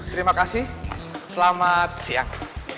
terima kasih selamat siang